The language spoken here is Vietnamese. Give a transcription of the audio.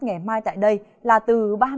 ngày mai tại đây là từ